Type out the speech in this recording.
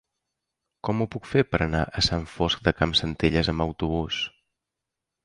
Com ho puc fer per anar a Sant Fost de Campsentelles amb autobús?